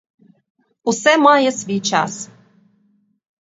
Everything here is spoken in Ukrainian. Усе має свій час.